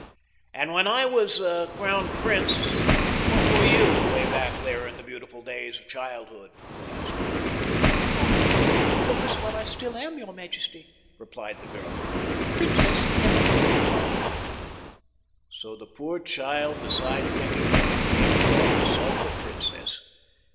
"And when I was Crown Prince what were you, way back there in the beautiful days of our childhood?" asked Barney. "Why, I was what I still am, your majesty," replied the girl. "Princess Emma von der Tann." So the poor child, besides thinking him a king, thought herself a princess!